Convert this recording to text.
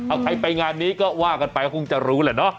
เอาใครไปงานนี้ก็ว่ากันไปก็คงจะรู้แหละเนาะ